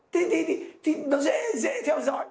thì nó dễ theo dõi